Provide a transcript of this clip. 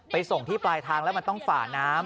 ส่งที่ปลายทางแล้วมันต้องฝ่าน้ำ